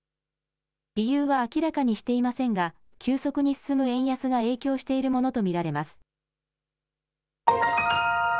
理由は明らかにしていませんが急速に進む円安が影響しているものと見られます。